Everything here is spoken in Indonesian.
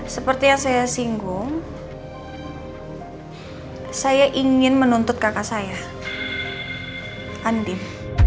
seperti yang saya singgung saya ingin menuntut kakak saya andif